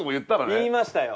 言いましたよ。